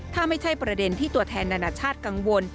ถ้าไม่ใช่ประเด็นที่ตัวแทนนานาชาติกังวล